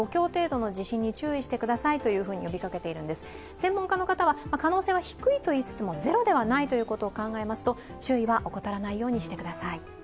専門家の方は可能性は低いと言いつつもゼロではないことを考えますと注意は怠らないようにしてください。